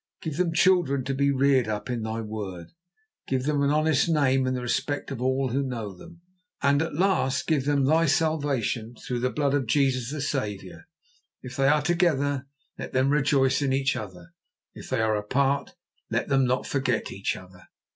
Give them children to be reared up in Thy Word, give them an honest name and the respect of all who know them, and at last give them Thy Salvation through the Blood of Jesus the Saviour. If they are together, let them rejoice in each other. If they are apart, let them not forget each other.